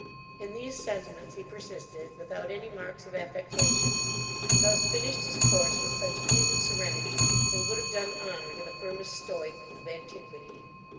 In these sentiments he persisted, without any marks of affectation, and thus finished his course with such case and serenity, as would have done honour to the firmest Stoic of antiquity.